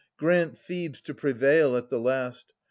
Grant Thebes to prevail at the last.